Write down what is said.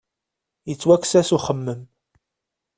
Yettwakkes-as uxemmem.